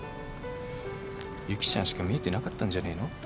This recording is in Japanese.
由岐ちゃんしか見えてなかったんじゃねえの？